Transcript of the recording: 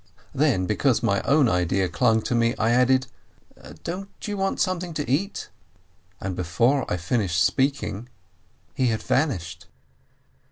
Then, because my own idea clung to me, I added : "Don't you want something to eat ?" And before I finished speaking, he had vanished.